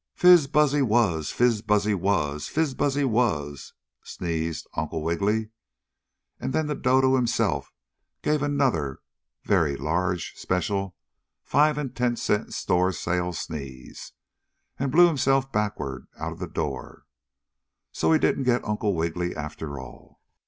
"Fizz buzzy wuzz! Fizz buzzy wuzz! Fizz buzzy wuzz!" sneezed Uncle Wiggily, and then the dodo himself gave another very large special five and ten cent store sale sneeze and blew himself backward out of the door. So he didn't get Uncle Wiggily after all.